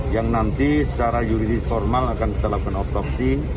yang nanti secara yuridis formal akan ditelakkan optoksi